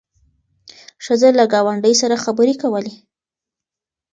ښځه له ګاونډۍ سره خبرې کولې.